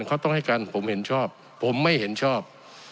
เขาต้องให้การผมเห็นชอบผมไม่เห็นชอบ